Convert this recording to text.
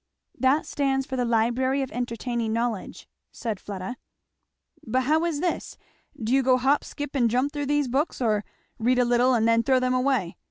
"That stands for the 'Library of Entertaining Knowledge,'" said Fleda. "But how is this? do you go hop, skip, and jump through these books, or read a little and then throw them away?